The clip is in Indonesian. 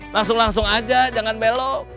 langsung langsung aja jangan belok